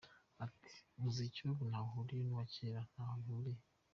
Ati “Umuziki w’ubu ntaho uhuriye n’uwa kera, ntaho bihuriye.